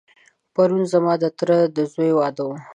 پرون ځما دتره دځوی واده و.